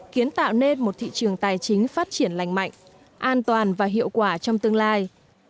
kiến tạo nên một thị trường tài chính phát triển lành mạnh an toàn và hiệu quả trong tương lai